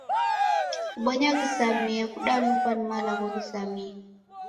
Kabonya ghizamie kudanughwa ni malagho ghizamie.